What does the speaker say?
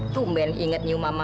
tumben inget nyium mama